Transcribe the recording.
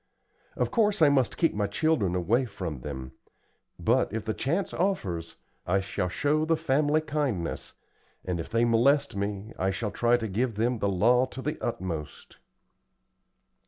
Of course I must keep my children away from them; but, if the chance offers, I shall show the family kindness, and if they molest me I shall try to give them the law to the utmost."